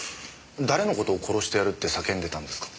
誰のことを殺してやるって叫んでたんですか？